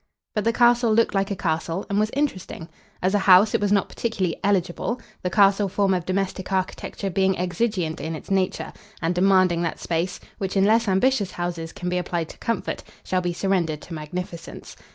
But the castle looked like a castle, and was interesting. As a house it was not particularly eligible, the castle form of domestic architecture being exigeant in its nature, and demanding that space, which in less ambitious houses can be applied to comfort, shall be surrendered to magnificence.